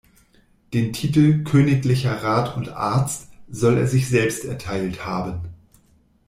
Den Titel „königlicher Rat und Arzt“ soll er sich selbst erteilt haben.